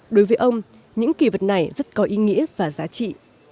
đối với ông những kỳ vật này rất có ý nghĩa và giá trị